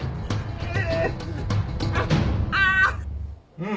うん。